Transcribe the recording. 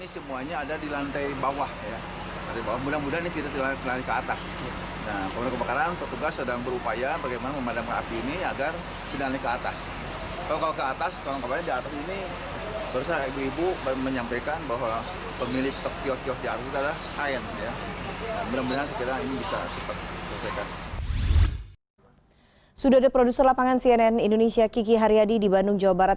sudah ada produser lapangan cnn indonesia kiki haryadi di bandung jawa barat